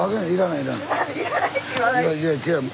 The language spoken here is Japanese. いやいや違う。